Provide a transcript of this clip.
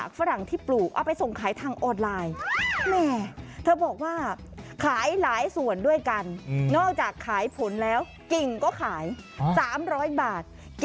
คุณขายกิโลกรัมละ๑๕๐บาท